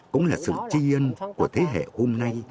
cũng là sự tri ân của thế hệ hôm nay